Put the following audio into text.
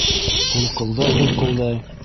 Һулҡылдай-һулҡылдай: